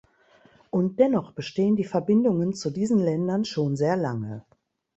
Und dennoch bestehen die Verbindungen zu diesen Ländern schon sehr lange.